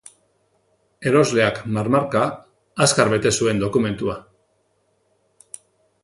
Erosleak marmarka, azkar bete zuen dokumentua.